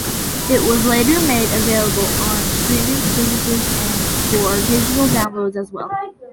It was later made available on streaming services and for digital download as well.